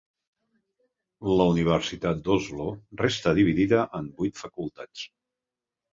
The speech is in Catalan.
La universitat d'Oslo resta dividida en vuit facultats.